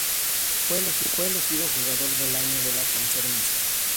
Fue elegido Jugador del Año de la conferencia.